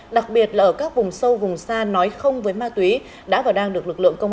đặc biệt là ở các vùng sâu vùng xa nói không với ma túy đã và đang được lực lượng công